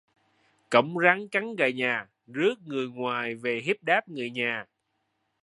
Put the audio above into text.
Cõng rắn cắn gà nhà: rước người ngoài về hiếp đáp người nhà